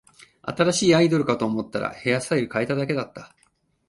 新しいアイドルかと思ったら、ヘアスタイル変えただけだった